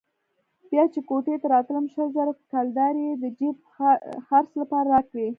بيا چې کوټې ته راتلم شل زره کلدارې يې د جېب خرڅ لپاره راکړې.